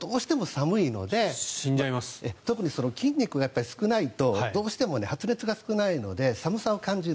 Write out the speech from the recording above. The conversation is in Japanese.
特に筋肉が少ないとどうしても発熱が少ないので寒さを感じる。